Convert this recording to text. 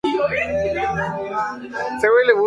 Sus primeros discos están influenciados por el death metal.